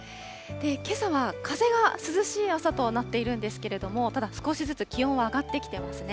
けさは風が涼しい朝となっているんですけれども、ただ少しずつ気温は上がってきていますね。